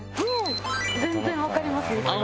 全然わかります道は。